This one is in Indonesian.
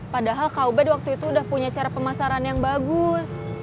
padahal kau bed waktu itu udah punya cara pemasaran yang bagus